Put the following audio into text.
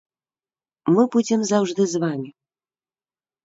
Мы будзем заўжды з вамі.